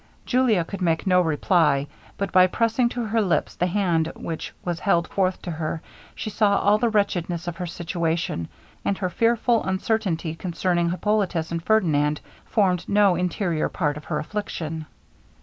Julia could make no reply, but by pressing to her lips the hand which was held forth to her, she saw all the wretchedness of her situation; and her fearful uncertainty concerning Hippolitus and Ferdinand, formed no inferior part of her affliction.